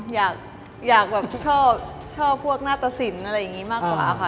อยากแบบชอบพวกหน้าตะสินอะไรอย่างนี้มากกว่าค่ะ